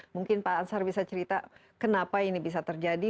mungkin pak ansar bisa cerita kenapa ini bisa terjadi